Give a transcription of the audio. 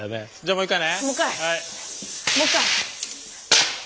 もう一回。